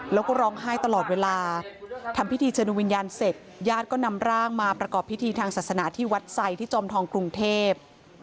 แล้วก็ร้องไห้ตลอดเวลาทำพิธีเชิญดูวิญญาณเสร็จญาติก็นำร่างมาประกอบพิธีทางศาสนาที่วัดไซดที่จอมทองกรุงเทพ